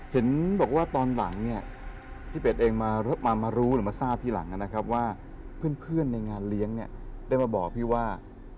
เห็นบอกว่าตอนหลังเนี่ยพี่เป็ดเองมารู้หรือมาทราบทีหลังนะครับว่าเพื่อนในงานเลี้ยงเนี่ยได้มาบอกพี่ว่า